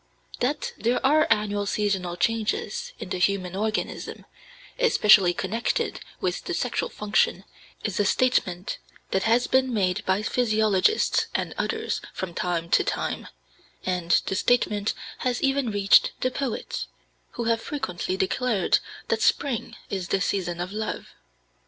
That there are annual seasonal changes in the human organism, especially connected with the sexual function, is a statement that has been made by physiologists and others from time to time, and the statement has even reached the poets, who have frequently declared that spring is the season of love.